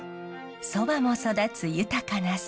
そばも育つ豊かな里。